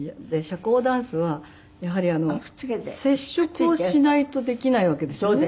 社交ダンスはやはり接触をしないとできないわけですよね。